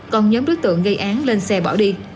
còn nhóm đối tượng gây án lên xe bỏ đi